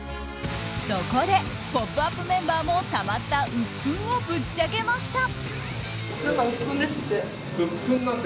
そこで「ポップＵＰ！」メンバーもたまったうっぷんをぶっちゃけました。